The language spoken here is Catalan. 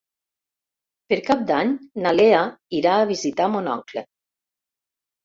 Per Cap d'Any na Lea irà a visitar mon oncle.